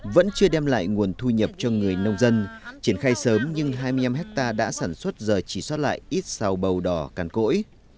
vẫn chưa đem lại nguồn thu nhập cho người nông dân triển khai sớm nhưng hai mươi năm ha đã sản xuất giờ chỉ soát lại ít sao bầu đỏ càn cỗi